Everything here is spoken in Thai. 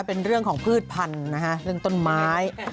เป็นเรื่องของพืชพันธุ์นะฮะเรื่องต้นไม้